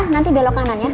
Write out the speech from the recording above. nanti belok kanan ya